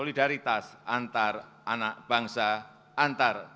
tni adalah milik utama dan keadilan